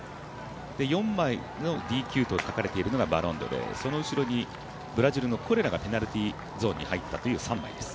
４枚のＤＱと書かれているのがバロンドでその後ろにブラジルのコレラがペナルティゾーンに入ったということです。